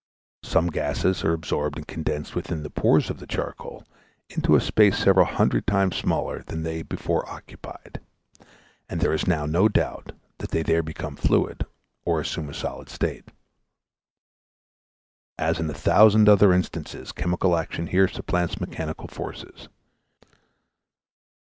Some gases are absorbed and condensed within the pores of the charcoal, into a space several hundred times smaller than they before occupied; and there is now no doubt they there become fluid, or assume a solid state. As in a thousand other instances, chemical action here supplants mechanical forces.